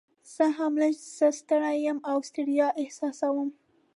زه هم لږ څه ستړی یم او ستړیا احساسوم.